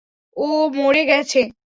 ও মরে গেছে!